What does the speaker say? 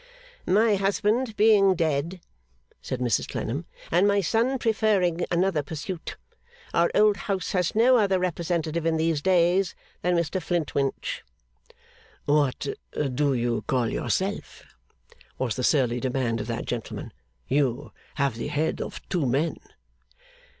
'My husband being dead,' said Mrs Clennam, 'and my son preferring another pursuit, our old House has no other representative in these days than Mr Flintwinch.' 'What do you call yourself?' was the surly demand of that gentleman. 'You have the head of two men.